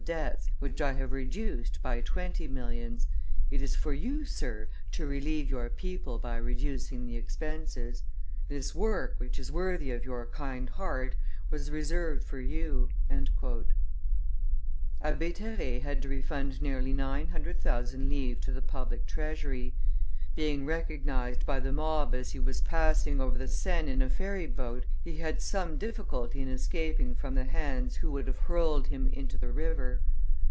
debts, which I have reduced by twenty millions. ... It is for you, Sir, to relieve your people by reducing the expenses. This work, which is worthy of your kind heart, was reserved for you." Abbe Terray had to refund nearly 900,000 livres to the public treasury. Being recognized by the mob as he was passing over the Seine in a ferry boat, he had some difficulty in escaping from the hands of those who would have hurled him into the river.